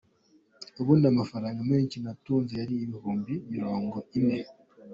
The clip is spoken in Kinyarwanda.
Ubundi amafaranga menshi natunze yari ibihumbi mirongo ine.”